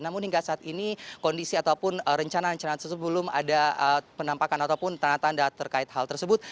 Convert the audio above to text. namun hingga saat ini kondisi ataupun rencana rencana tersebut belum ada penampakan ataupun tanda tanda terkait hal tersebut